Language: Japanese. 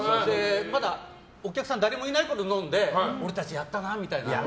まだお客さん誰もいないころから飲んで俺たちやったなみたいな。